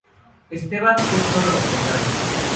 Esteban es todo lo contrario.